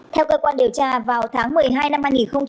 theo cơ quan điều tra vào tháng một mươi hai năm hai nghìn hai mươi